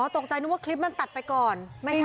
ตกใจนึงว่าคลิปมันตัดไปก่อนไม่ใช่นะ